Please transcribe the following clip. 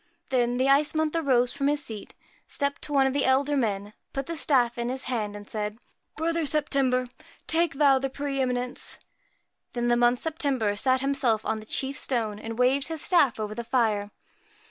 Then the Ice Month arose from his seat, stepped to one of the elder men, put the staff into his hand, and said ' Brother September, take thou the pre eminence.' Then the Month September sat himself on the chief stone, and waved his staff over the fire.